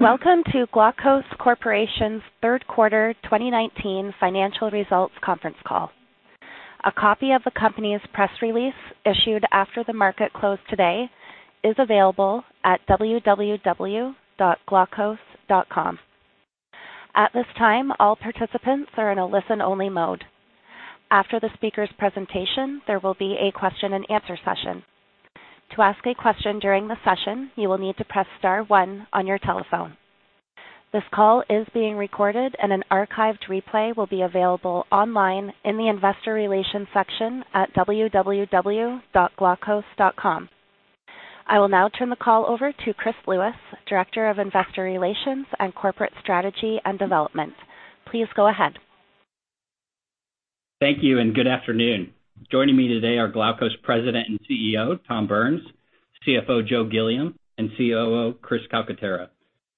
Welcome to Glaukos Corporation's third quarter 2019 financial results conference call. A copy of the company's press release, issued after the market closed today, is available at www.glaukos.com. At this time, all participants are in a listen-only mode. After the speakers' presentation, there will be a question and answer session. To ask a question during the session, you will need to press star one on your telephone. This call is being recorded and an archived replay will be available online in the investor relations section at www.glaukos.com. I will now turn the call over to Chris Lewis, Director of Investor Relations and Corporate Strategy and Development. Please go ahead. Thank you, and good afternoon. Joining me today are Glaukos President and CEO, Tom Burns, CFO, Joe Gilliam, and COO, Chris Calcaterra.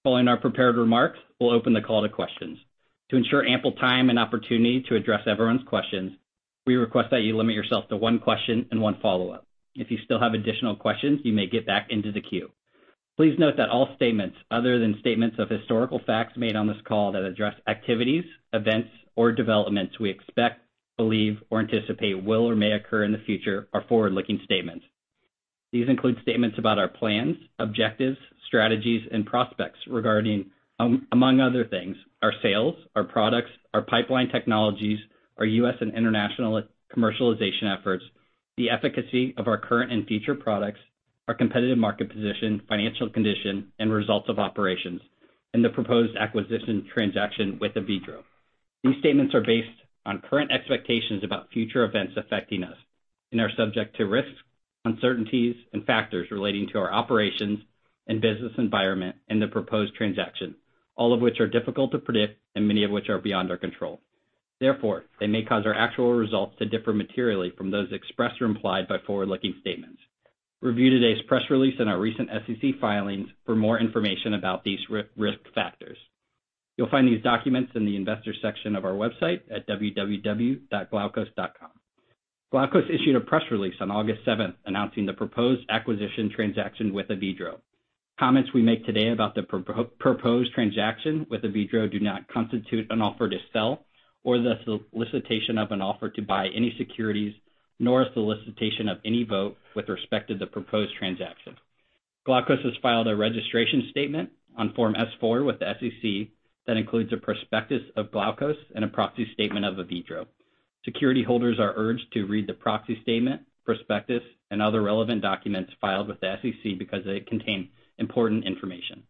Following our prepared remarks, we will open the call to questions. To ensure ample time and opportunity to address everyone's questions, we request that you limit yourself to one question and one follow-up. If you still have additional questions, you may get back into the queue. Please note that all statements other than statements of historical facts made on this call that address activities, events, or developments we expect, believe, or anticipate will or may occur in the future are forward-looking statements. These include statements about our plans, objectives, strategies, and prospects regarding, among other things, our sales, our products, our pipeline technologies, our U.S. and international commercialization efforts, the efficacy of our current and future products, our competitive market position, financial condition, and results of operations, and the proposed acquisition transaction with Avedro. These statements are based on current expectations about future events affecting us and are subject to risks, uncertainties, and factors relating to our operations and business environment, and the proposed transaction, all of which are difficult to predict and many of which are beyond our control. Therefore, they may cause our actual results to differ materially from those expressed or implied by forward-looking statements. Review today's press release in our recent SEC filings for more information about these risk factors. You'll find these documents in the investor section of our website at www.glaukos.com. Glaukos issued a press release on August 7th announcing the proposed acquisition transaction with Avedro. Comments we make today about the proposed transaction with Avedro do not constitute an offer to sell or the solicitation of an offer to buy any securities, nor a solicitation of any vote with respect to the proposed transaction. Glaukos has filed a registration statement on Form S-4 with the SEC that includes a prospectus of Glaukos and a proxy statement of Avedro. Security holders are urged to read the proxy statement, prospectus, and other relevant documents filed with the SEC because they contain important information.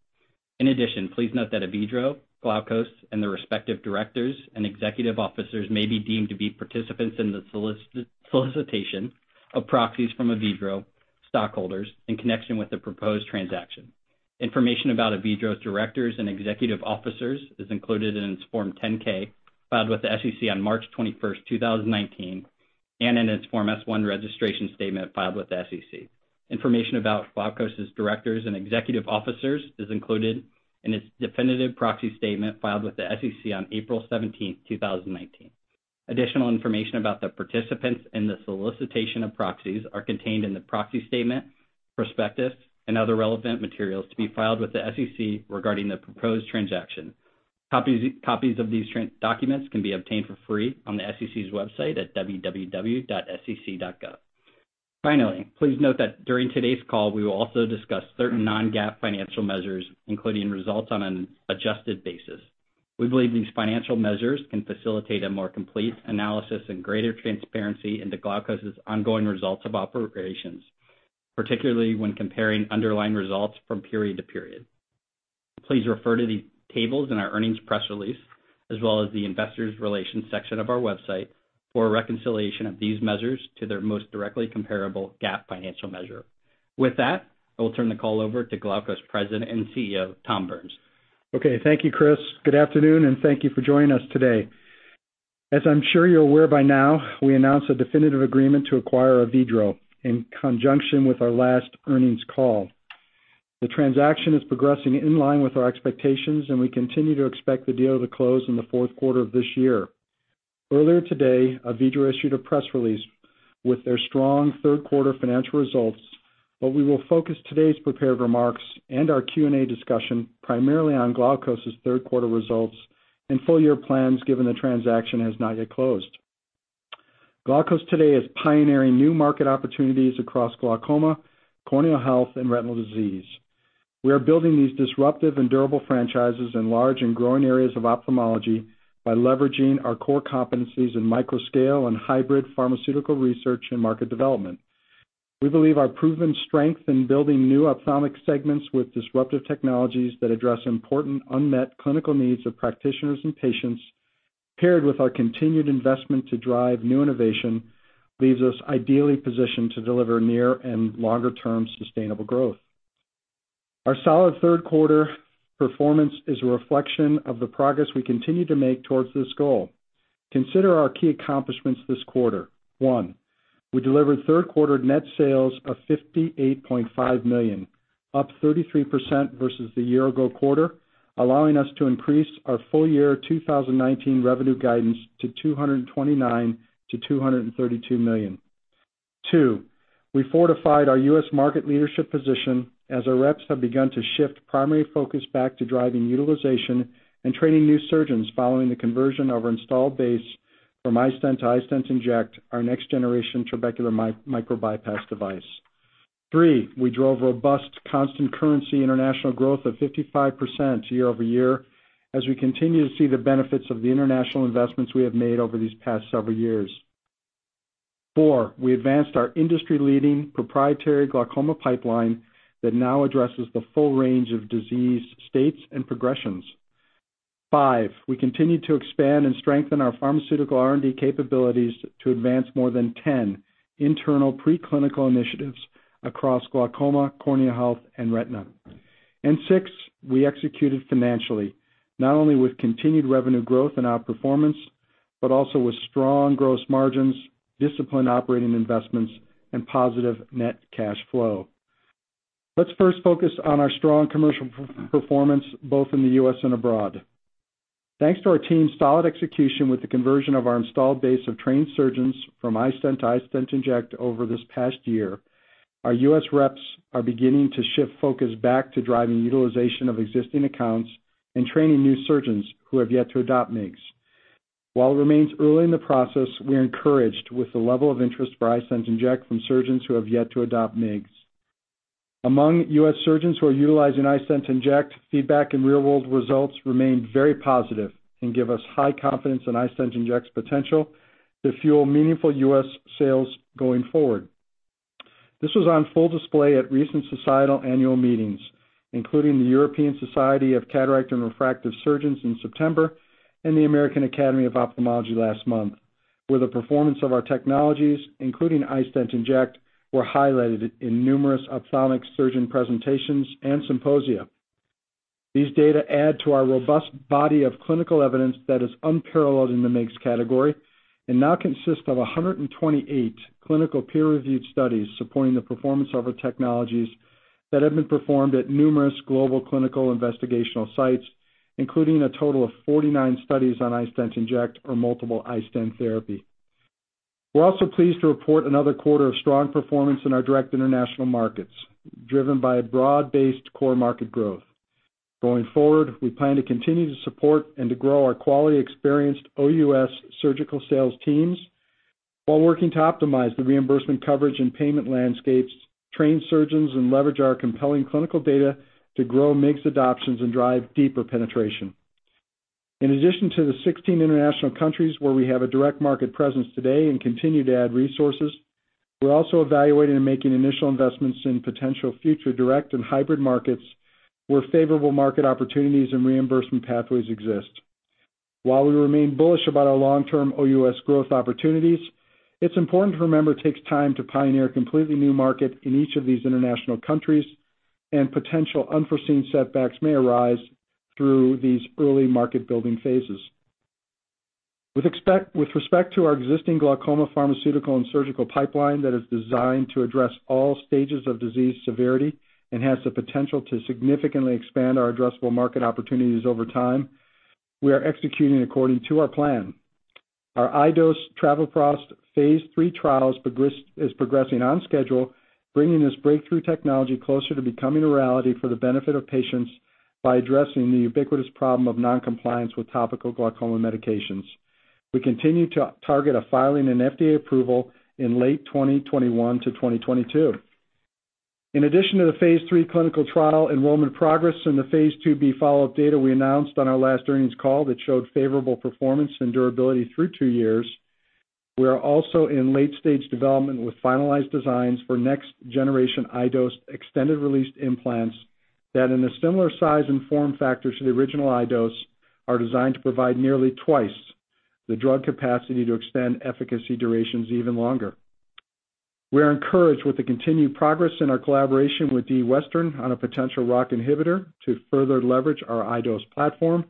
In addition, please note that Avedro, Glaukos, and their respective directors and executive officers may be deemed to be participants in the solicitation of proxies from Avedro stockholders in connection with the proposed transaction. Information about Avedro's directors and executive officers is included in its Form 10-K filed with the SEC on March 21st, 2019, and in its Form S-1 registration statement filed with the SEC. Information about Glaukos's directors and executive officers is included in its definitive proxy statement filed with the SEC on April 17th, 2019. Additional information about the participants in the solicitation of proxies are contained in the proxy statement, prospectus, and other relevant materials to be filed with the SEC regarding the proposed transaction. Copies of these documents can be obtained for free on the SEC's website at www.sec.gov. Please note that during today's call, we will also discuss certain non-GAAP financial measures, including results on an adjusted basis. We believe these financial measures can facilitate a more complete analysis and greater transparency into Glaukos's ongoing results of operations, particularly when comparing underlying results from period to period. Please refer to the tables in our earnings press release, as well as the investors relations section of our website, for a reconciliation of these measures to their most directly comparable GAAP financial measure. With that, I will turn the call over to Glaukos President and CEO, Tom Burns. Okay. Thank you, Chris. Good afternoon. Thank you for joining us today. As I'm sure you're aware by now, we announced a definitive agreement to acquire Avedro in conjunction with our last earnings call. The transaction is progressing in line with our expectations, and we continue to expect the deal to close in the fourth quarter of this year. Earlier today, Avedro issued a press release with their strong third quarter financial results, but we will focus today's prepared remarks and our Q&A discussion primarily on Glaukos's third quarter results and full year plans given the transaction has not yet closed. Glaukos today is pioneering new market opportunities across glaucoma, corneal health, and retinal disease. We are building these disruptive and durable franchises in large and growing areas of ophthalmology by leveraging our core competencies in microscale and hybrid pharmaceutical research and market development. We believe our proven strength in building new ophthalmic segments with disruptive technologies that address important unmet clinical needs of practitioners and patients, paired with our continued investment to drive new innovation, leaves us ideally positioned to deliver near and longer term sustainable growth. Our solid third quarter performance is a reflection of the progress we continue to make towards this goal. Consider our key accomplishments this quarter. One, we delivered third quarter net sales of $58.5 million, up 33% versus the year ago quarter, allowing us to increase our full year 2019 revenue guidance to $229 million-$232 million. Two, we fortified our U.S. market leadership position as our reps have begun to shift primary focus back to driving utilization and training new surgeons following the conversion of our installed base from iStent to iStent inject, our next generation trabecular micro-bypass device. Three, we drove robust constant currency international growth of 55% year-over-year as we continue to see the benefits of the international investments we have made over these past several years. Four, we advanced our industry leading proprietary glaucoma pipeline that now addresses the full range of disease states and progressions. Five, we continued to expand and strengthen our pharmaceutical R&D capabilities to advance more than 10 internal preclinical initiatives across glaucoma, cornea health, and retina. Six, we executed financially, not only with continued revenue growth and outperformance, but also with strong gross margins, disciplined operating investments, and positive net cash flow. Let's first focus on our strong commercial performance both in the U.S. and abroad. Thanks to our team's solid execution with the conversion of our installed base of trained surgeons from iStent to iStent inject over this past year, our U.S. reps are beginning to shift focus back to driving utilization of existing accounts and training new surgeons who have yet to adopt MIGS. While it remains early in the process, we are encouraged with the level of interest for iStent inject from surgeons who have yet to adopt MIGS. Among U.S. surgeons who are utilizing iStent inject, feedback and real world results remain very positive and give us high confidence in iStent inject's potential to fuel meaningful U.S. sales going forward. This was on full display at recent societal annual meetings, including the European Society of Cataract and Refractive Surgeons in September and the American Academy of Ophthalmology last month, where the performance of our technologies, including iStent inject, were highlighted in numerous ophthalmic surgeon presentations and symposia. These data add to our robust body of clinical evidence that is unparalleled in the MIGS category and now consists of 128 clinical peer-reviewed studies supporting the performance of our technologies that have been performed at numerous global clinical investigational sites, including a total of 49 studies on iStent inject or multiple iStent therapy. We're also pleased to report another quarter of strong performance in our direct international markets, driven by a broad-based core market growth. Going forward, we plan to continue to support and to grow our quality experienced OUS surgical sales teams while working to optimize the reimbursement coverage and payment landscapes, train surgeons, and leverage our compelling clinical data to grow MIGS adoptions and drive deeper penetration. In addition to the 16 international countries where we have a direct market presence today and continue to add resources, we're also evaluating and making initial investments in potential future direct and hybrid markets where favorable market opportunities and reimbursement pathways exist. While we remain bullish about our long-term OUS growth opportunities, it's important to remember it takes time to pioneer a completely new market in each of these international countries and potential unforeseen setbacks may arise through these early market building phases. With respect to our existing glaucoma pharmaceutical and surgical pipeline that is designed to address all stages of disease severity and has the potential to significantly expand our addressable market opportunities over time, we are executing according to our plan. Our iDose Travoprost phase III trial is progressing on schedule, bringing this breakthrough technology closer to becoming a reality for the benefit of patients by addressing the ubiquitous problem of non-compliance with topical glaucoma medications. We continue to target a filing and FDA approval in late 2021-2022. In addition to the phase III clinical trial enrollment progress and the phase II-B follow-up data we announced on our last earnings call that showed favorable performance and durability through 2 years, we are also in late stage development with finalized designs for next generation iDose extended release implants that in a similar size and form factor to the original iDose, are designed to provide nearly twice the drug capacity to extend efficacy durations even longer. We are encouraged with the continued progress in our collaboration with D. Western on a potential ROCK inhibitor to further leverage our iDose platform.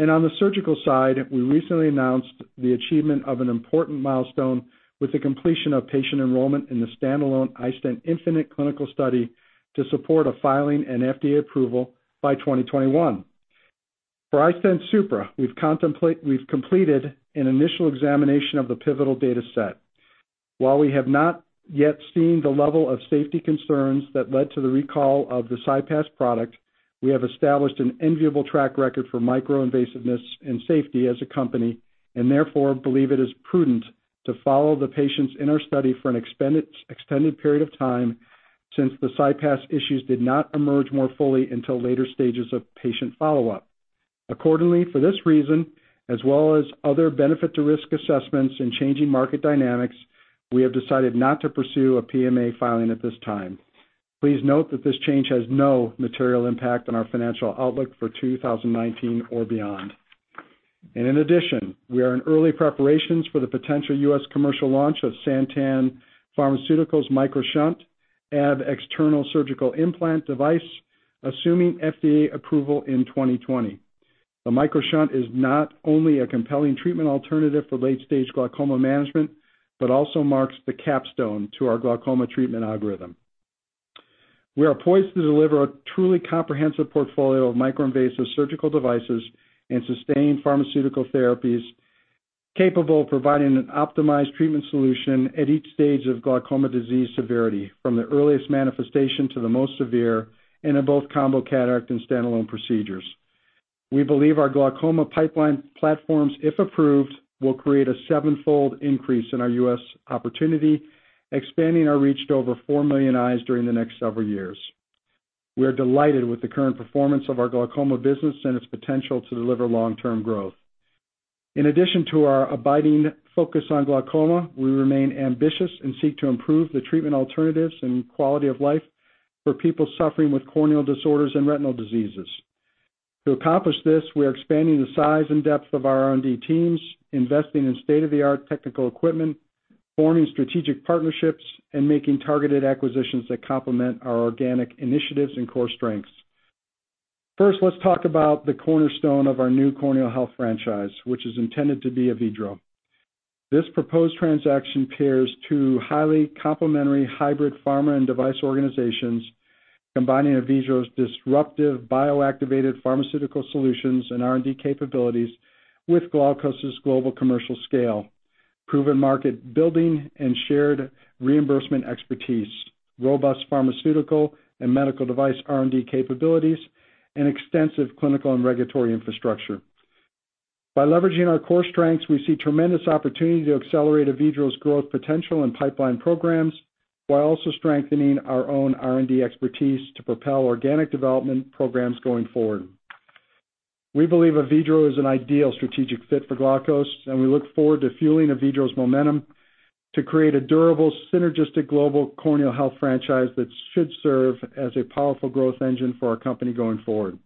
On the surgical side, we recently announced the achievement of an important milestone with the completion of patient enrollment in the standalone iStent infinite clinical study to support a filing and FDA approval by 2021. For iStent Supra, we've completed an initial examination of the pivotal data set. While we have not yet seen the level of safety concerns that led to the recall of the CyPass product, we have established an enviable track record for micro-invasiveness and safety as a company, and therefore believe it is prudent to follow the patients in our study for an extended period of time, since the CyPass issues did not emerge more fully until later stages of patient follow-up. Accordingly, for this reason, as well as other benefit to risk assessments and changing market dynamics, we have decided not to pursue a PMA filing at this time. Please note that this change has no material impact on our financial outlook for 2019 or beyond. In addition, we are in early preparations for the potential U.S. commercial launch of Santen Pharmaceutical MicroShunt ab-externo surgical implant device, assuming FDA approval in 2020. The MicroShunt is not only a compelling treatment alternative for late stage glaucoma management, but also marks the capstone to our glaucoma treatment algorithm. We are poised to deliver a truly comprehensive portfolio of microinvasive surgical devices and sustained pharmaceutical therapies capable of providing an optimized treatment solution at each stage of glaucoma disease severity, from the earliest manifestation to the most severe, and in both combo cataract and standalone procedures. We believe our glaucoma pipeline platforms, if approved, will create a sevenfold increase in our U.S. opportunity, expanding our reach to over 4 million eyes during the next several years. We are delighted with the current performance of our glaucoma business and its potential to deliver long-term growth. In addition to our abiding focus on glaucoma, we remain ambitious and seek to improve the treatment alternatives and quality of life for people suffering with corneal disorders and retinal diseases. To accomplish this, we are expanding the size and depth of our R&D teams, investing in state-of-the-art technical equipment, forming strategic partnerships, and making targeted acquisitions that complement our organic initiatives and core strengths. First, let's talk about the cornerstone of our new corneal health franchise, which is intended to be Avedro. This proposed transaction pairs two highly complementary hybrid pharma and device organizations, combining Avedro's disruptive bioactivated pharmaceutical solutions and R&D capabilities with Glaukos' global commercial scale, proven market building and shared reimbursement expertise, robust pharmaceutical and medical device R&D capabilities, and extensive clinical and regulatory infrastructure. By leveraging our core strengths, we see tremendous opportunity to accelerate Avedro's growth potential and pipeline programs while also strengthening our own R&D expertise to propel organic development programs going forward. We believe Avedro is an ideal strategic fit for Glaukos, and we look forward to fueling Avedro's momentum to create a durable, synergistic global corneal health franchise that should serve as a powerful growth engine for our company going forward.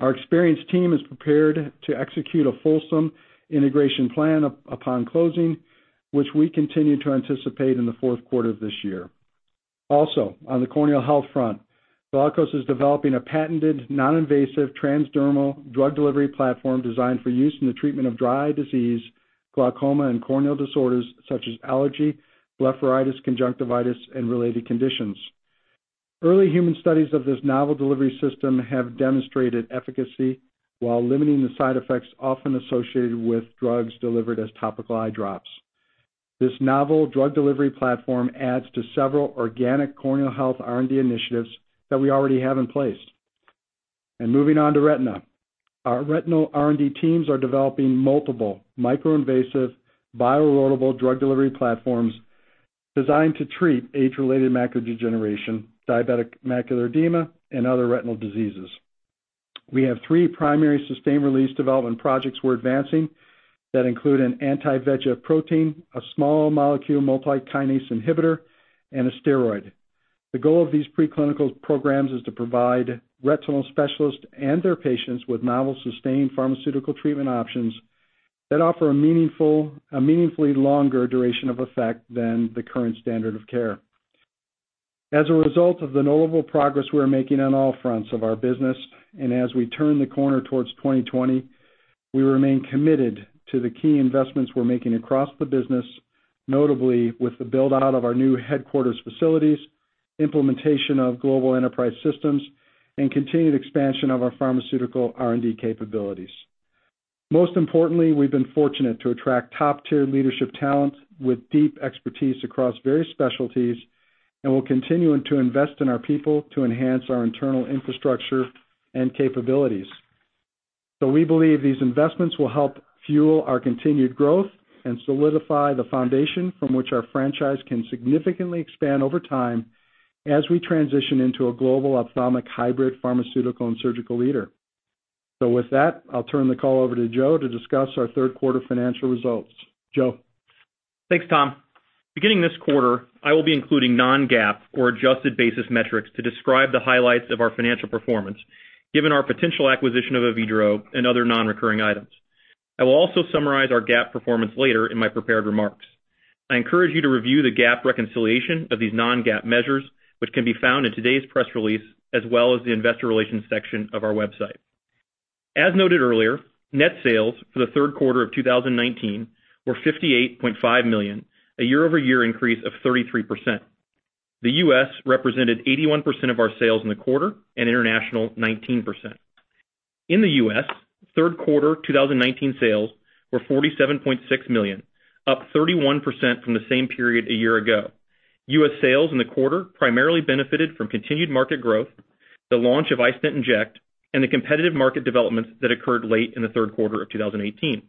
Our experienced team is prepared to execute a fulsome integration plan upon closing, which we continue to anticipate in the fourth quarter of this year. On the corneal health front, Glaukos is developing a patented, non-invasive, transdermal drug delivery platform designed for use in the treatment of dry eye disease, glaucoma, and corneal disorders such as allergy, blepharitis, conjunctivitis, and related conditions. Early human studies of this novel delivery system have demonstrated efficacy while limiting the side effects often associated with drugs delivered as topical eye drops. This novel drug delivery platform adds to several organic corneal health R&D initiatives that we already have in place. Moving on to retina. Our retinal R&D teams are developing multiple microinvasive, bio-loadable drug delivery platforms designed to treat age-related macular degeneration, diabetic macular edema, and other retinal diseases. We have three primary sustained release development projects we're advancing that include an anti-VEGF protein, a small molecule multi-kinase inhibitor, and a steroid. The goal of these preclinical programs is to provide retinal specialists and their patients with novel sustained pharmaceutical treatment options that offer a meaningfully longer duration of effect than the current standard of care. As a result of the notable progress we're making on all fronts of our business, and as we turn the corner towards 2020, we remain committed to the key investments we're making across the business, notably with the build-out of our new headquarters facilities, implementation of global enterprise systems, and continued expansion of our pharmaceutical R&D capabilities. Most importantly, we've been fortunate to attract top-tier leadership talent with deep expertise across various specialties, and we're continuing to invest in our people to enhance our internal infrastructure and capabilities. We believe these investments will help fuel our continued growth and solidify the foundation from which our franchise can significantly expand over time as we transition into a global ophthalmic hybrid pharmaceutical and surgical leader. With that, I'll turn the call over to Joe to discuss our third quarter financial results. Joe? Thanks, Tom. Beginning this quarter, I will be including non-GAAP or adjusted basis metrics to describe the highlights of our financial performance, given our potential acquisition of Avedro and other non-recurring items. I will also summarize our GAAP performance later in my prepared remarks. I encourage you to review the GAAP reconciliation of these non-GAAP measures, which can be found in today's press release, as well as the investor relations section of our website. As noted earlier, net sales for the third quarter of 2019 were $58.5 million, a year-over-year increase of 33%. The U.S. represented 81% of our sales in the quarter and international 19%. In the U.S., third quarter 2019 sales were $47.6 million, up 31% from the same period a year ago. U.S. sales in the quarter primarily benefited from continued market growth, the launch of iStent inject, and the competitive market developments that occurred late in the third quarter of 2018.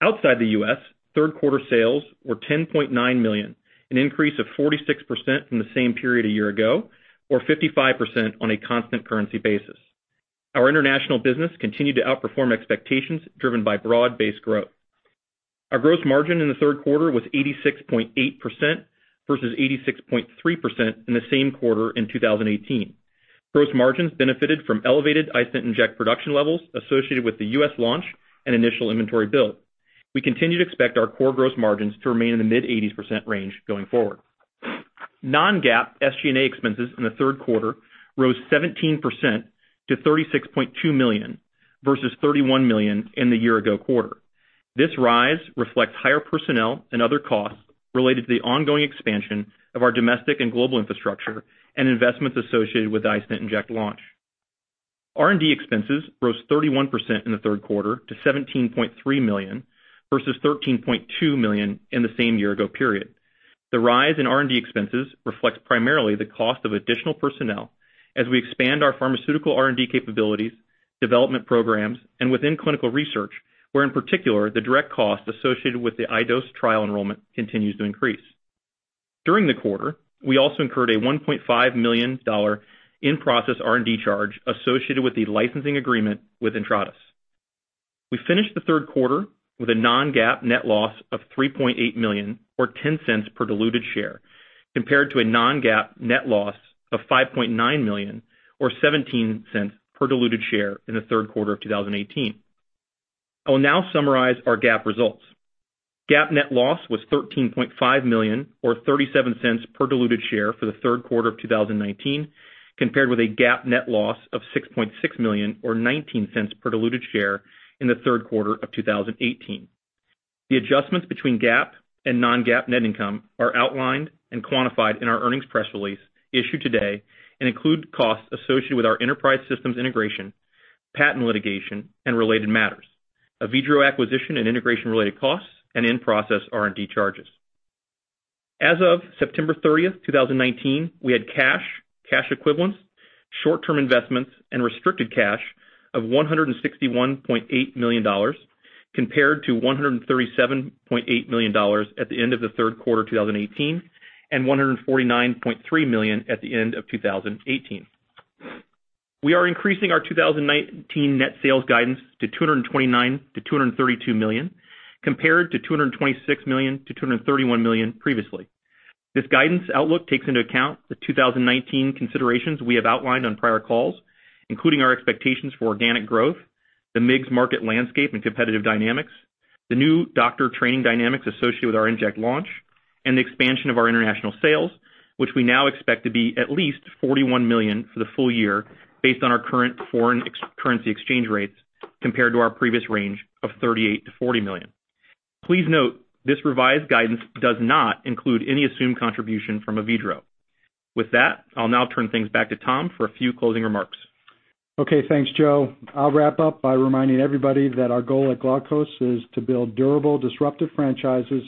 Outside the U.S., third quarter sales were $10.9 million, an increase of 46% from the same period a year ago, or 55% on a constant currency basis. Our international business continued to outperform expectations driven by broad-based growth. Our gross margin in the third quarter was 86.8% versus 86.3% in the same quarter in 2018. Gross margins benefited from elevated iStent inject production levels associated with the U.S. launch and initial inventory build. We continue to expect our core gross margins to remain in the mid-80s% range going forward. Non-GAAP SG&A expenses in the third quarter rose 17% to $36.2 million versus $31 million in the year ago quarter. This rise reflects higher personnel and other costs related to the ongoing expansion of our domestic and global infrastructure and investments associated with the iStent inject launch. R&D expenses rose 31% in the third quarter to $17.3 million versus $13.2 million in the same year ago period. The rise in R&D expenses reflects primarily the cost of additional personnel as we expand our pharmaceutical R&D capabilities, development programs, and within clinical research, where in particular, the direct cost associated with the iDose trial enrollment continues to increase. During the quarter, we also incurred a $1.5 million in-process R&D charge associated with the licensing agreement with Intratus. We finished the third quarter with a non-GAAP net loss of $3.8 million or $0.10 per diluted share, compared to a non-GAAP net loss of $5.9 million or $0.17 per diluted share in the third quarter of 2018. I will now summarize our GAAP results. GAAP net loss was $13.5 million or $0.37 per diluted share for the third quarter of 2019, compared with a GAAP net loss of $6.6 million or $0.19 per diluted share in the third quarter of 2018. The adjustments between GAAP and non-GAAP net income are outlined and quantified in our earnings press release issued today and include costs associated with our enterprise systems integration, patent litigation and related matters, Avedro acquisition and integration related costs, and in-process R&D charges. As of September 30th, 2019, we had cash equivalents, short-term investments, and restricted cash of $161.8 million, compared to $137.8 million at the end of the third quarter 2018, and $149.3 million at the end of 2018. We are increasing our 2019 net sales guidance to $229 million-$232 million, compared to $226 million-$231 million previously. This guidance outlook takes into account the 2019 considerations we have outlined on prior calls, including our expectations for organic growth, the MIGS market landscape and competitive dynamics, the new doctor training dynamics associated with our Inject launch, and the expansion of our international sales, which we now expect to be at least $41 million for the full year based on our current foreign currency exchange rates, compared to our previous range of $38 million-$40 million. Please note, this revised guidance does not include any assumed contribution from Avedro. With that, I'll now turn things back to Tom for a few closing remarks. Okay. Thanks, Joe. I'll wrap up by reminding everybody that our goal at Glaukos is to build durable, disruptive franchises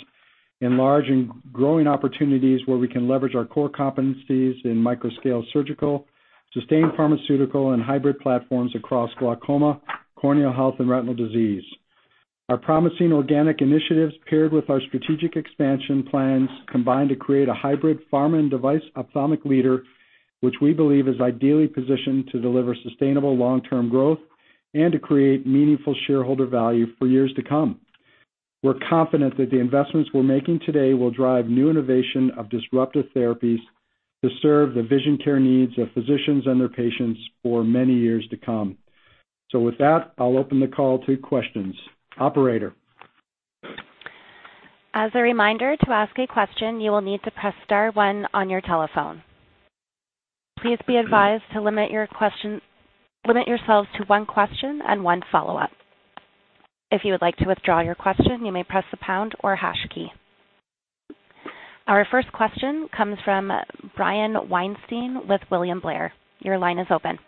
in large and growing opportunities where we can leverage our core competencies in microscale surgical, sustained pharmaceutical and hybrid platforms across glaucoma, corneal health, and retinal disease. Our promising organic initiatives paired with our strategic expansion plans combine to create a hybrid pharma and device ophthalmic leader, which we believe is ideally positioned to deliver sustainable long-term growth and to create meaningful shareholder value for years to come. We're confident that the investments we're making today will drive new innovation of disruptive therapies to serve the vision care needs of physicians and their patients for many years to come. With that, I'll open the call to questions. Operator. As a reminder, to ask a question, you will need to press star one on your telephone. Please be advised to limit yourselves to one question and one follow-up. If you would like to withdraw your question, you may press the pound or hash key. Our first question comes from Brian Weinstein with William Blair. Your line is open.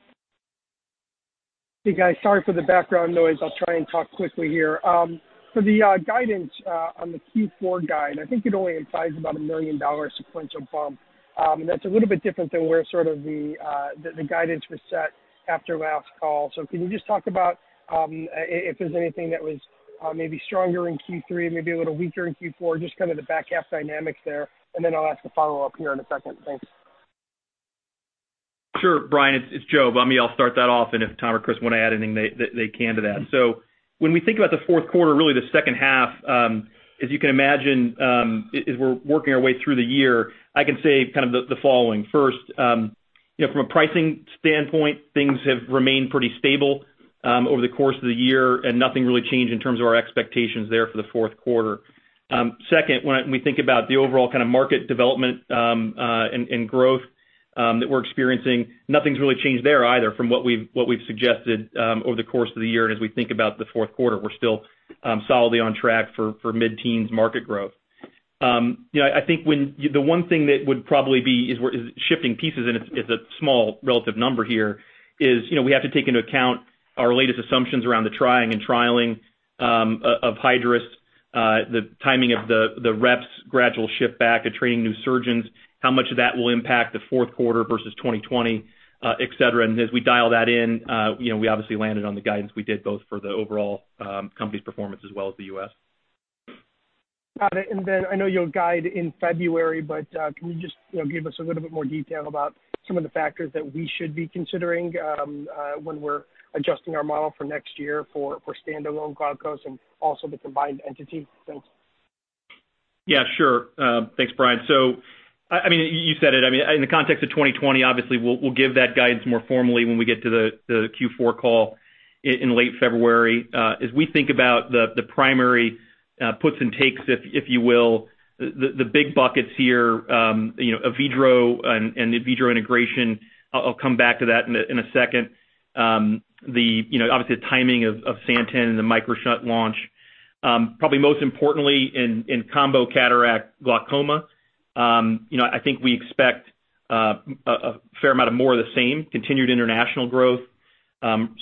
Hey, guys. Sorry for the background noise. I'll try and talk quickly here. For the guidance on the Q4 guide, I think it only implies about a $1 million sequential bump. That's a little bit different than where the guidance was set after last call. Can you just talk about if there's anything that was maybe stronger in Q3, maybe a little weaker in Q4, just the back half dynamics there, and then I'll ask a follow-up here in a second. Thanks. Sure, Brian, it's Joe Gilliam. I'll start that off, and if Tom or Chris want to add anything, they can to that. When we think about the fourth quarter, really the second half, as you can imagine as we're working our way through the year, I can say the following. First, from a pricing standpoint, things have remained pretty stable over the course of the year, and nothing really changed in terms of our expectations there for the fourth quarter. Second, when we think about the overall market development and growth that we're experiencing, nothing's really changed there either from what we've suggested over the course of the year and as we think about the fourth quarter. We're still solidly on track for mid-teens market growth. I think the one thing that would probably be is we're shifting pieces, and it's a small relative number here, is we have to take into account our latest assumptions around the trying and trialing of Hydrus, the timing of the reps gradual shift back to training new surgeons, how much of that will impact the fourth quarter versus 2020, et cetera. As we dial that in, we obviously landed on the guidance we did both for the overall company's performance as well as the U.S. Got it. I know you'll guide in February, can you just give us a little bit more detail about some of the factors that we should be considering when we're adjusting our model for next year for standalone Glaukos and also the combined entity? Thanks. Yeah, sure. Thanks, Brian. You said it. In the context of 2020, obviously, we'll give that guidance more formally when we get to the Q4 call in late February. As we think about the primary puts and takes, if you will, the big buckets here, Alcon and the Alcon integration. I'll come back to that in a second. Obviously, the timing of Santen and the MicroShunt launch. Probably most importantly, in combo cataract glaucoma, I think we expect a fair amount of more of the same continued international growth.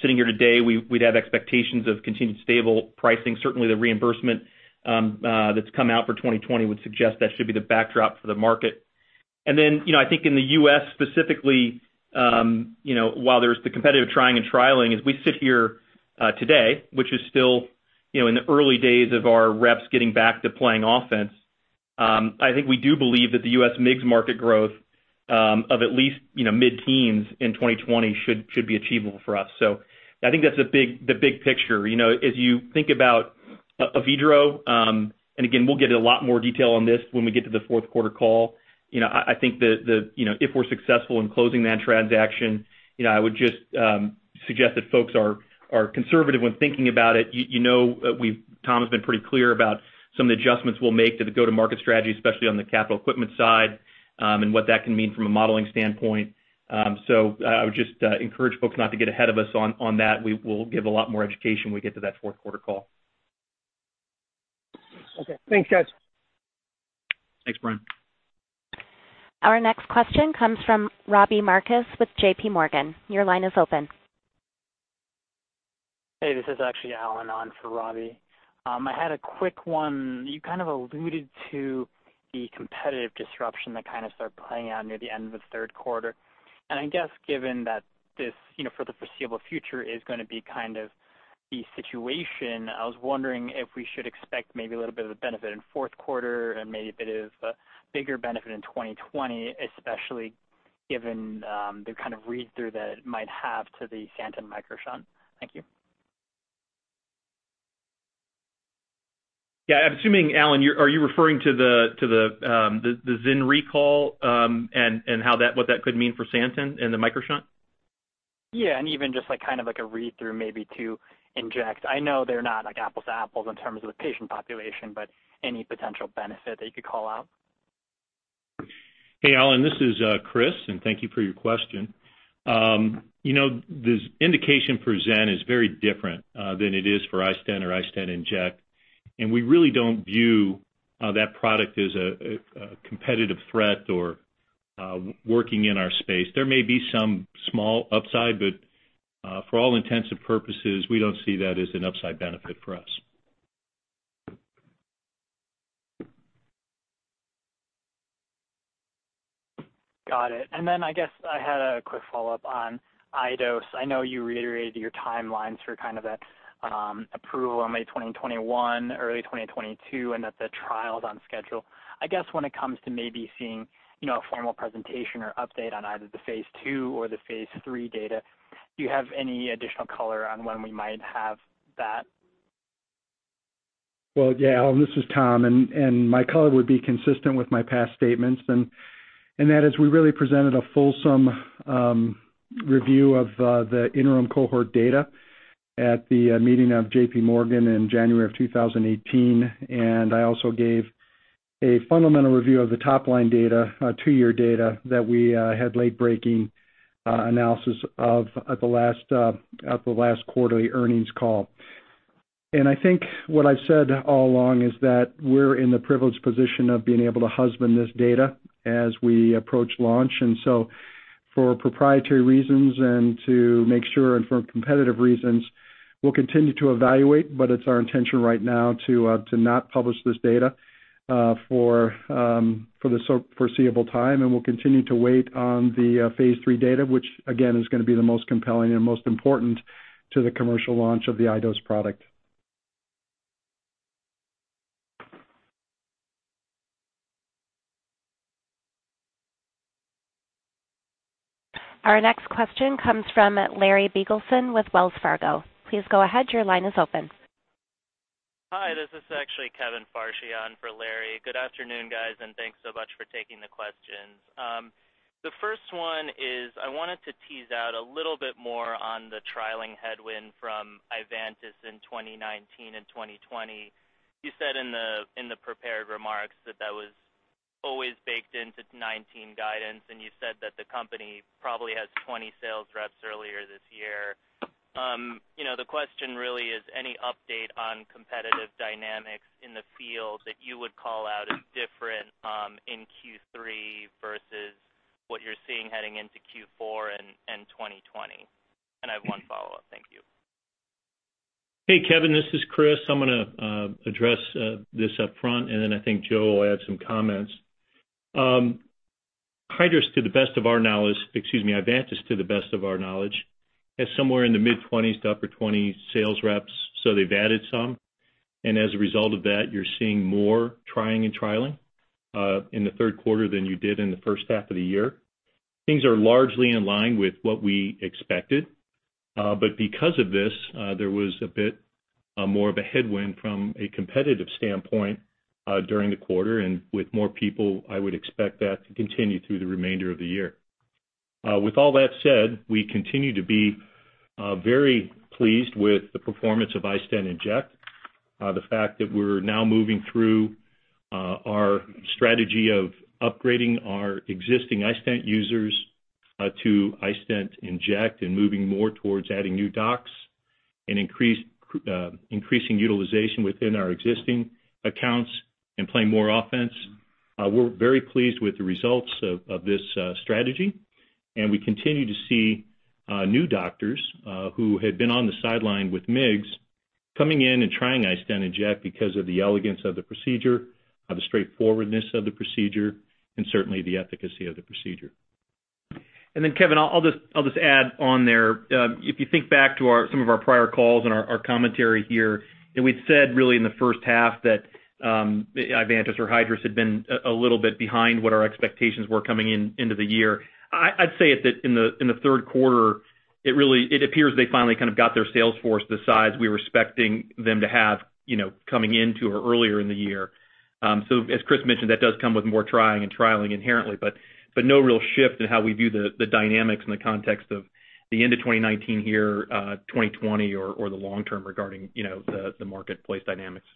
Sitting here today, we'd have expectations of continued stable pricing. Certainly, the reimbursement that's come out for 2020 would suggest that should be the backdrop for the market. I think in the U.S. specifically, while there's the competitive trying and trialing, as we sit here today, which is still in the early days of our reps getting back to playing offense, I think we do believe that the U.S. MIGS market growth of at least mid-teens in 2020 should be achievable for us. I think that's the big picture. As you think about Alcon, and again, we'll get a lot more detail on this when we get to the fourth quarter call. I think that if we're successful in closing that transaction, I would just suggest that folks are conservative when thinking about it. Tom has been pretty clear about some of the adjustments we'll make to the go-to-market strategy, especially on the capital equipment side, and what that can mean from a modeling standpoint. I would just encourage folks not to get ahead of us on that. We will give a lot more education when we get to that fourth quarter call. Okay. Thanks, guys. Thanks, Brian. Our next question comes from Robbie Marcus with J.P. Morgan. Your line is open. Hey, this is actually Alan on for Robbie. I had a quick one. You kind of alluded to the competitive disruption that kind of started playing out near the end of the third quarter. I guess given that this, for the foreseeable future, is going to be kind of the situation, I was wondering if we should expect maybe a little bit of a benefit in fourth quarter and maybe a bit of a bigger benefit in 2020, especially given the kind of read-through that it might have to the Santen MicroShunt. Thank you. Yeah. I'm assuming, Alan, are you referring to the XEN recall, and what that could mean for Santen and the MicroShunt? Yeah. Even just like a read-through maybe to iStent inject. I know they're not like apples to apples in terms of the patient population, but any potential benefit that you could call out? Hey, Alan, this is Chris, and thank you for your question. The indication for XEN is very different than it is for iStent or iStent inject, and we really don't view that product as a competitive threat or working in our space. There may be some small upside, but for all intents and purposes, we don't see that as an upside benefit for us. Got it. I guess I had a quick follow-up on iDose. I know you reiterated your timelines for kind of the approval in May 2021, early 2022, and that the trial's on schedule. I guess when it comes to maybe seeing a formal presentation or update on either the phase II or the phase III data, do you have any additional color on when we might have that? Well, yeah, Alan, this is Tom, and my color would be consistent with my past statements, and that is we really presented a fulsome review of the interim cohort data at the meeting of J.P. Morgan in January of 2018, and I also gave a fundamental review of the top-line data, two-year data, that we had late-breaking analysis of at the last quarterly earnings call. I think what I've said all along is that we're in the privileged position of being able to husband this data as we approach launch. For proprietary reasons and to make sure and for competitive reasons, we'll continue to evaluate, but it's our intention right now to not publish this data for the foreseeable time, and we'll continue to wait on the phase III data, which again, is going to be the most compelling and most important to the commercial launch of the iDose product. Our next question comes from Larry Biegelsen with Wells Fargo. Please go ahead. Your line is open. Hi, this is actually Kevin Farshchi on for Larry. Good afternoon, guys. Thanks so much for taking the questions. The first one is I wanted to tease out a little bit more on the trialing headwind from Ivantis in 2019 and 2020. You said in the prepared remarks that was always baked into the 2019 guidance. You said that the company probably has 20 sales reps earlier this year. The question really is any update on competitive dynamics in the field that you would call out as different in Q3 versus what you're seeing heading into Q4 and 2020? I have one follow-up. Thank you. Hey, Kevin, this is Chris. I'm going to address this up front, and then I think Joe will add some comments. Ivantis, to the best of our knowledge, has somewhere in the mid-20s to upper 20s sales reps, so they've added some. As a result of that, you're seeing more trying and trialing in the third quarter than you did in the first half of the year. Things are largely in line with what we expected. Because of this, there was a bit more of a headwind from a competitive standpoint during the quarter, and with more people, I would expect that to continue through the remainder of the year. With all that said, we continue to be very pleased with the performance of iStent inject. The fact that we're now moving through our strategy of upgrading our existing iStent users to iStent inject and moving more towards adding new docs and increasing utilization within our existing accounts and playing more offense. We're very pleased with the results of this strategy. We continue to see new doctors who had been on the sideline with MIGS coming in and trying iStent inject because of the elegance of the procedure, the straightforwardness of the procedure, and certainly the efficacy of the procedure. Kevin, I'll just add on there. If you think back to some of our prior calls and our commentary here, and we'd said really in the first half that Ivantis or Hydrus had been a little bit behind what our expectations were coming into the year. I'd say that in the third quarter, it appears they finally got their sales force the size we were expecting them to have coming into or earlier in the year. As Chris mentioned, that does come with more trying and trialing inherently, but no real shift in how we view the dynamics in the context of the end of 2019 here, 2020 or the long term regarding the marketplace dynamics.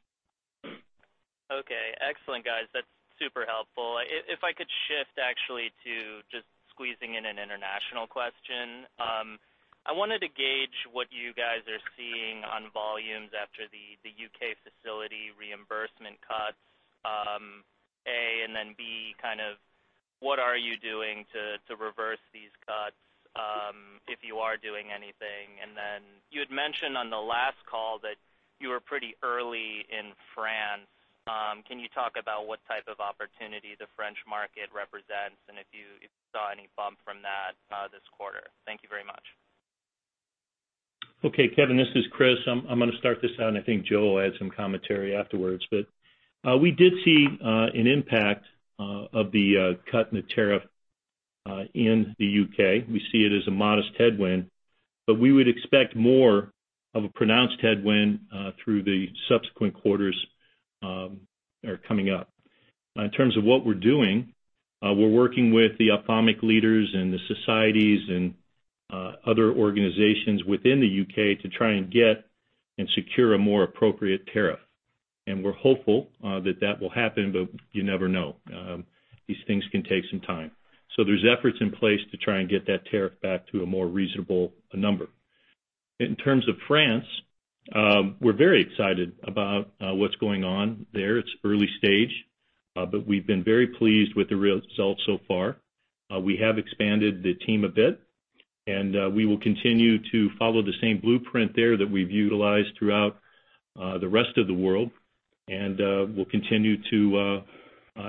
Okay. Excellent, guys. That's super helpful. If I could shift actually to just squeezing in an international question. I wanted to gauge what you guys are seeing on volumes after the U.K. facility reimbursement cuts, A, B, what are you doing to reverse these cuts, if you are doing anything? You had mentioned on the last call that you were pretty early in France. Can you talk about what type of opportunity the French market represents and if you saw any bump from that this quarter? Thank you very much. Okay, Kevin, this is Chris. I'm going to start this out, and I think Joe will add some commentary afterwards. We did see an impact of the cut in the tariff in the U.K. We see it as a modest headwind, but we would expect more of a pronounced headwind through the subsequent quarters that are coming up. In terms of what we're doing, we're working with the ophthalmic leaders and the societies and other organizations within the U.K. to try and get and secure a more appropriate tariff. We're hopeful that that will happen, but you never know. These things can take some time. There's efforts in place to try and get that tariff back to a more reasonable number. In terms of France, we're very excited about what's going on there. It's early stage, but we've been very pleased with the results so far. We have expanded the team a bit, and we will continue to follow the same blueprint there that we've utilized throughout the rest of the world, and we'll continue to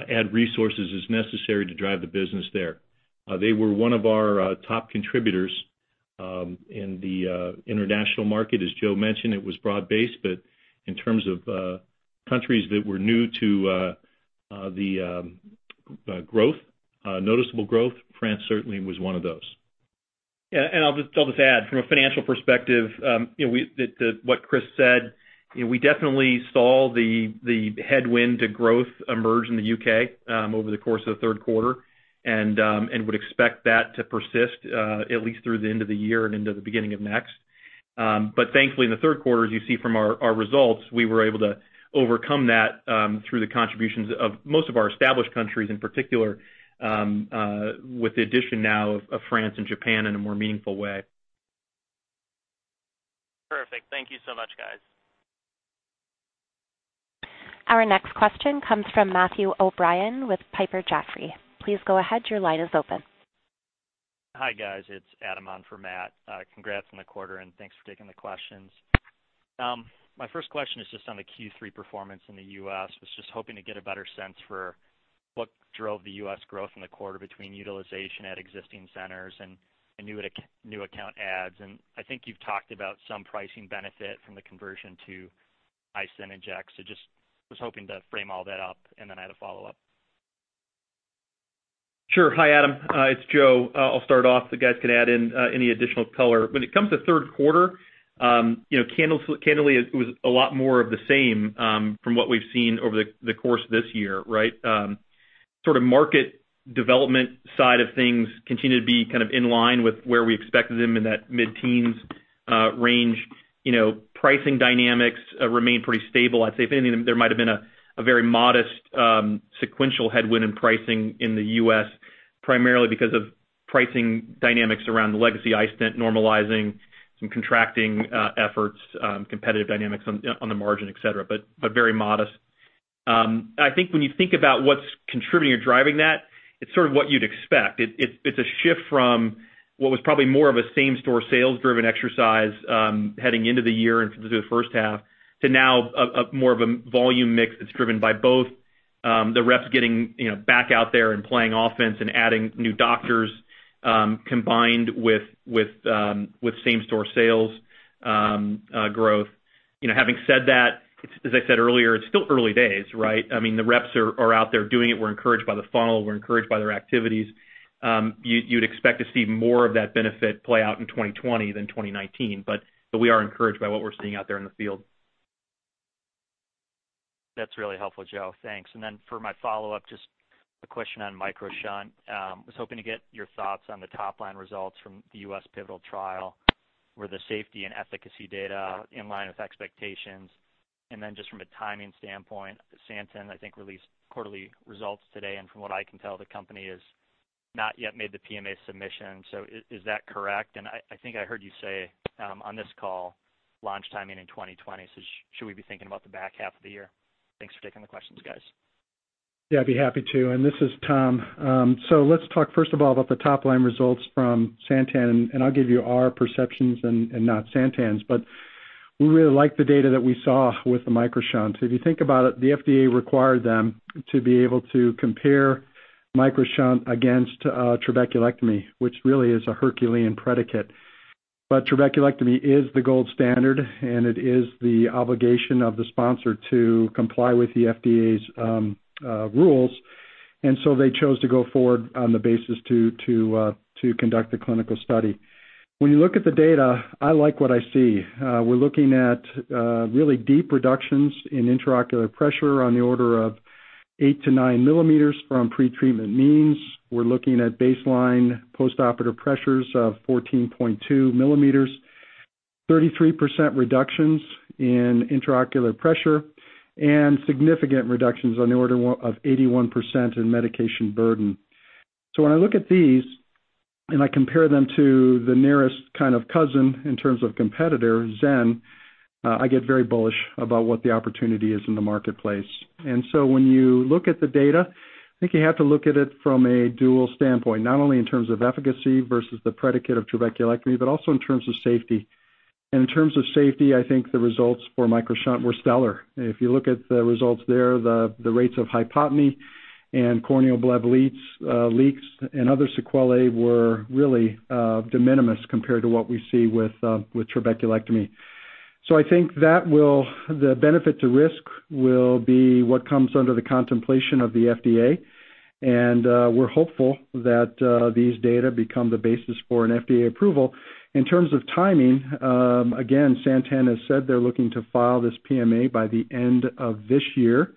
add resources as necessary to drive the business there. They were one of our top contributors in the international market. As Joe mentioned, it was broad-based, but in terms of countries that were new to the noticeable growth, France certainly was one of those. Yeah, I'll just add from a financial perspective to what Chris said, we definitely saw the headwind to growth emerge in the U.K. over the course of the 3rd quarter, and would expect that to persist at least through the end of the year and into the beginning of next. Thankfully, in the 3rd quarter, as you see from our results, we were able to overcome that through the contributions of most of our established countries, in particular, with the addition now of France and Japan in a more meaningful way. Perfect. Thank you so much, guys. Our next question comes from Matthew O'Brien with Piper Jaffray. Please go ahead. Your line is open. Hi, guys. It's Adam on for Matt. Congrats on the quarter, and thanks for taking the questions. My first question is just on the Q3 performance in the U.S. I was just hoping to get a better sense for what drove the U.S. growth in the quarter between utilization at existing centers and new account adds. I think you've talked about some pricing benefit from the conversion to iStent inject. I was just hoping to frame all that up and then I had a follow-up. Sure. Hi, Adam. It's Joe. I'll start off. The guys can add in any additional color. When it comes to third quarter, candidly, it was a lot more of the same from what we've seen over the course of this year, right? Sort of market development side of things continue to be kind of in line with where we expected them in that mid-teens range. Pricing dynamics remain pretty stable. I'd say if anything, there might have been a very modest sequential headwind in pricing in the U.S., primarily because of pricing dynamics around the legacy iStent normalizing some contracting efforts, competitive dynamics on the margin, et cetera. Very modest. I think when you think about what's contributing or driving that, it's sort of what you'd expect. It's a shift from what was probably more of a same-store sales driven exercise heading into the year and through the first half to now more of a volume mix that's driven by both the reps getting back out there and playing offense and adding new doctors, combined with same-store sales growth. Having said that, as I said earlier, it's still early days, right? The reps are out there doing it. We're encouraged by the funnel. We're encouraged by their activities. You'd expect to see more of that benefit play out in 2020 than 2019, but we are encouraged by what we're seeing out there in the field. That's really helpful, Joe. Thanks. For my follow-up, just a question on MicroShunt. I was hoping to get your thoughts on the top line results from the U.S. pivotal trial. Were the safety and efficacy data in line with expectations? Just from a timing standpoint, Santen, I think, released quarterly results today, and from what I can tell, the company has not yet made the PMA submission. Is that correct? I think I heard you say, on this call, launch timing in 2020. Should we be thinking about the back half of the year? Thanks for taking the questions, guys. Yeah, I'd be happy to. This is Tom. Let's talk first of all about the top line results from Santen, and I'll give you our perceptions and not Santen's, but we really like the data that we saw with the MicroShunt. If you think about it, the FDA required them to be able to compare MicroShunt against trabeculectomy, which really is a Herculean predicate. Trabeculectomy is the gold standard, and it is the obligation of the sponsor to comply with the FDA's rules. They chose to go forward on the basis to conduct a clinical study. When you look at the data, I like what I see. We're looking at really deep reductions in intraocular pressure on the order of eight to nine millimeters from pretreatment means. We're looking at baseline postoperative pressures of 14.2 millimeters, 33% reductions in intraocular pressure, and significant reductions on the order of 81% in medication burden. When I look at these and I compare them to the nearest cousin in terms of competitor, XEN, I get very bullish about what the opportunity is in the marketplace. When you look at the data, I think you have to look at it from a dual standpoint, not only in terms of efficacy versus the predicate of trabeculectomy, but also in terms of safety. In terms of safety, I think the results for MicroShunt were stellar. If you look at the results there, the rates of hypotony and corneal bleb leaks and other sequelae were really de minimis compared to what we see with trabeculectomy. I think the benefit to risk will be what comes under the contemplation of the FDA, and we're hopeful that these data become the basis for an FDA approval. In terms of timing, again, Santen has said they're looking to file this PMA by the end of this year.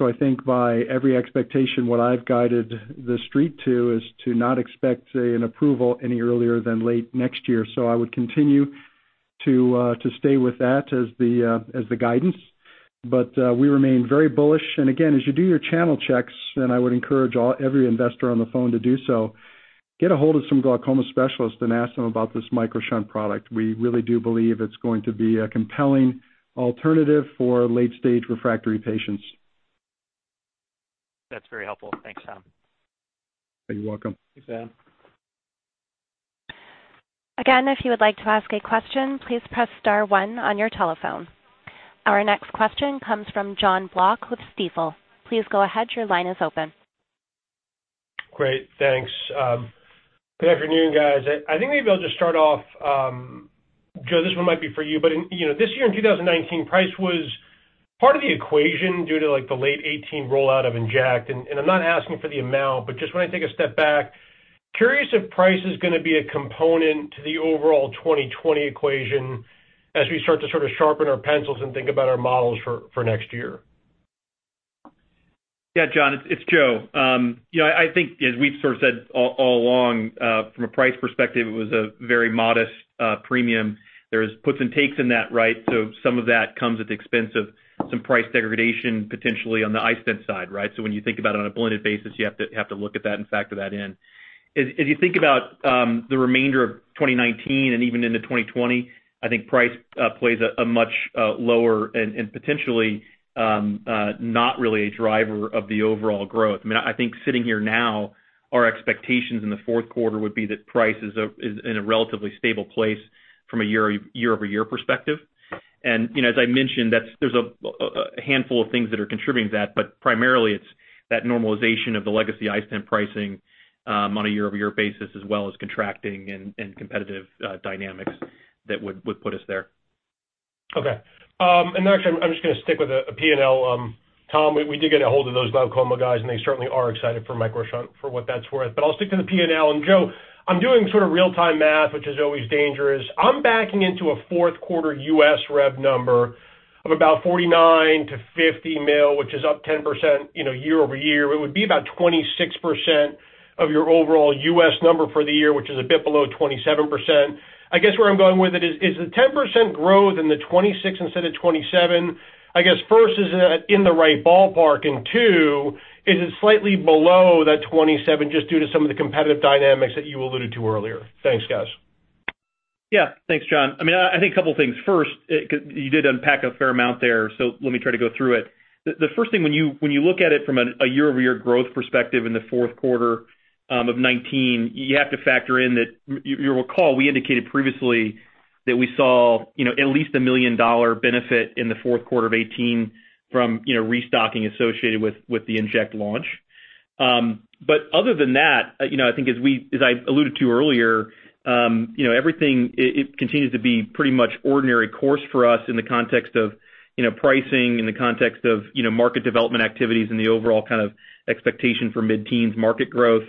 I think by every expectation, what I've guided the Street to is to not expect an approval any earlier than late next year. I would continue to stay with that as the guidance. We remain very bullish. Again, as you do your channel checks, and I would encourage every investor on the phone to do so, get a hold of some glaucoma specialists and ask them about this MicroShunt product. We really do believe it's going to be a compelling alternative for late-stage refractory patients. That's very helpful. Thanks, Tom. You're welcome. Thanks, Tom. Again, if you would like to ask a question, please press star one on your telephone. Our next question comes from John Block with Stifel. Please go ahead, your line is open. Great. Thanks. Good afternoon, guys. I think maybe I'll just start off, Joe, this one might be for you. This year in 2019, price was part of the equation due to the late 2018 rollout of iStent inject. I'm not asking for the amount, just when I take a step back, curious if price is going to be a component to the overall 2020 equation as we start to sharpen our pencils and think about our models for next year. Yeah. John, it's Joe. I think as we've sort of said all along, from a price perspective, it was a very modest premium. There's puts and takes in that, right? Some of that comes at the expense of some price degradation potentially on the iStent side, right? When you think about it on a blended basis, you have to look at that and factor that in. As you think about the remainder of 2019 and even into 2020, I think price plays a much lower and potentially not really a driver of the overall growth. I think sitting here now, our expectations in the fourth quarter would be that price is in a relatively stable place from a year-over-year perspective. As I mentioned, there's a handful of things that are contributing to that, but primarily it's that normalization of the legacy iStent pricing on a year-over-year basis as well as contracting and competitive dynamics that would put us there. Okay. Actually, I'm just going to stick with a P&L. Tom, we did get a hold of those glaucoma guys, and they certainly are excited for MicroShunt for what that's worth. I'll stick to the P&L. Joe, I'm doing sort of real-time math, which is always dangerous. I'm backing into a fourth quarter U.S. rev number of about $49 million-$50 million, which is up 10% year-over-year. It would be about 26% of your overall U.S. number for the year, which is a bit below 27%. I guess where I'm going with it is the 10% growth and the 26 instead of 27, I guess, first, is it in the right ballpark, and two, is it slightly below that 27 just due to some of the competitive dynamics that you alluded to earlier? Thanks, guys. Thanks, John. I think a couple of things. First, you did unpack a fair amount there, so let me try to go through it. The first thing when you look at it from a year-over-year growth perspective in the fourth quarter of 2019, you have to factor in that, you'll recall, we indicated previously that we saw at least a $1 million benefit in the fourth quarter of 2018 from restocking associated with the Inject launch. Other than that, I think as I alluded to earlier, everything continues to be pretty much ordinary course for us in the context of pricing, in the context of market development activities and the overall expectation for mid-teens market growth.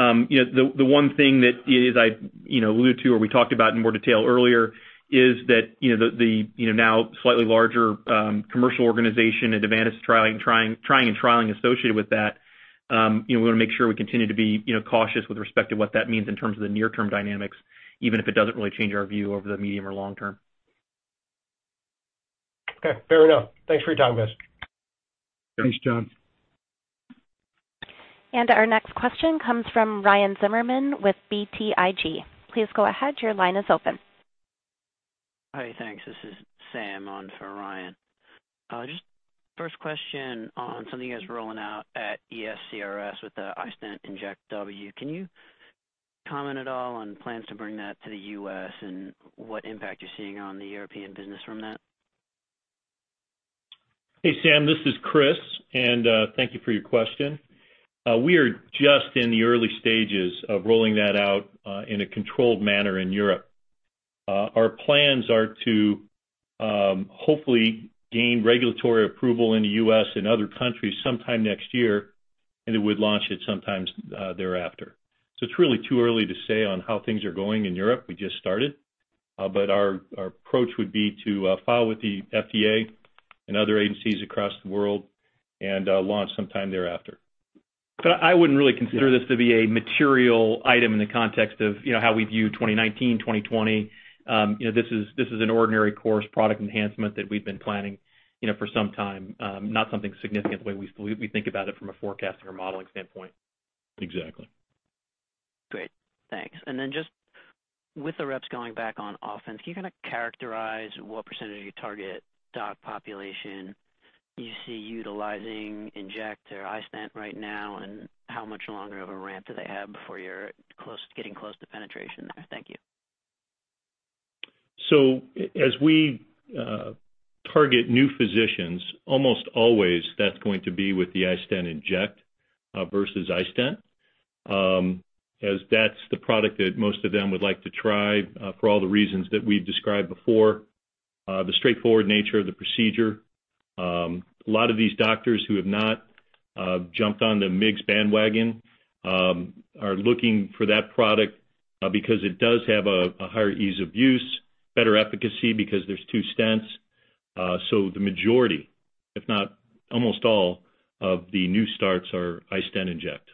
The one thing that, as I alluded to, or we talked about in more detail earlier, is that the now slightly larger commercial organization at Ivantis trying and trialing associated with that, we want to make sure we continue to be cautious with respect to what that means in terms of the near-term dynamics, even if it doesn't really change our view over the medium or long term. Okay, fair enough. Thanks for your time, guys. Thanks, John. Our next question comes from Ryan Zimmerman with BTIG. Please go ahead. Your line is open. Hi, thanks. This is Sam on for Ryan. First question on something you guys are rolling out at ESCRS with the iStent inject W. Can you comment at all on plans to bring that to the U.S. and what impact you're seeing on the European business from that? Hey, Sam, this is Chris. Thank you for your question. We are just in the early stages of rolling that out in a controlled manner in Europe. Our plans are to hopefully gain regulatory approval in the U.S. and other countries sometime next year, and it would launch at some time thereafter. It's really too early to say on how things are going in Europe. We just started. Our approach would be to file with the FDA and other agencies across the world and launch sometime thereafter. I wouldn't really consider this to be a material item in the context of how we view 2019, 2020. This is an ordinary course product enhancement that we've been planning for some time. Not something significant the way we think about it from a forecasting or modeling standpoint. Exactly. Great, thanks. Just with the reps going back on offense, can you kind of characterize what % of your target doc population you see utilizing Inject or iStent right now, and how much longer of a ramp do they have before you're getting close to penetration there? Thank you. As we target new physicians, almost always that's going to be with the iStent inject versus iStent. As that's the product that most of them would like to try for all the reasons that we've described before. The straightforward nature of the procedure. A lot of these doctors who have not jumped on the MIGS bandwagon are looking for that product because it does have a higher ease of use, better efficacy because there's two stents. The majority, if not almost all of the new starts are iStent inject.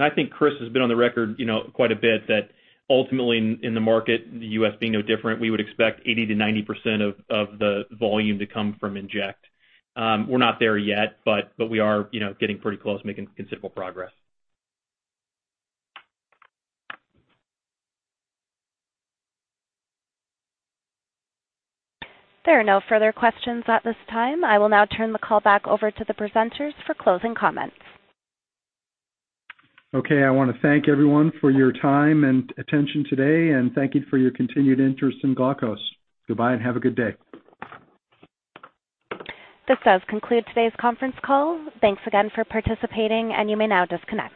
I think Chris has been on the record quite a bit that ultimately in the market, the U.S. being no different, we would expect 80%-90% of the volume to come from Inject. We're not there yet, but we are getting pretty close, making considerable progress. There are no further questions at this time. I will now turn the call back over to the presenters for closing comments. Okay, I want to thank everyone for your time and attention today, and thank you for your continued interest in Glaukos. Goodbye and have a good day. This does conclude today's conference call. Thanks again for participating, and you may now disconnect.